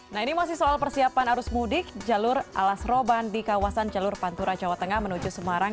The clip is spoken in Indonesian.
nah ini masih soal persiapan arus mudik jalur alas roban di kawasan jalur pantura jawa tengah menuju semarang